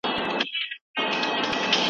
د ګورګین د نسب سلسله سلطنتي کورنۍ ته رسېدله.